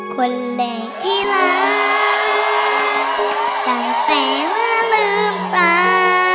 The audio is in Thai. คนแหล่งที่รักตั้งแต่เมื่อลืมตา